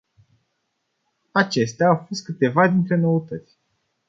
Acestea au fost câteva dintre noutăți.